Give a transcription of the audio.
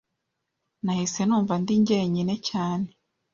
Nahise numva ndi jyenyine cyane.